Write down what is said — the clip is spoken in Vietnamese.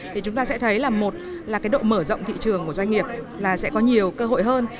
thì chúng ta sẽ thấy là một là cái độ mở rộng thị trường của doanh nghiệp là sẽ có nhiều cơ hội hơn